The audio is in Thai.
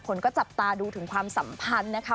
คนก็จับตาดูถึงความสัมพันธ์นะคะ